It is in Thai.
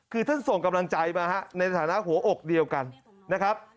คือท่านส่งกำลังใจมาในฐานะหัวอกเดียวกันนะครับ